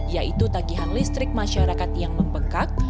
yaitu tagihan listrik masyarakat yang membekak